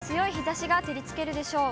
きょうも強い日ざしが照りつけるでしょう。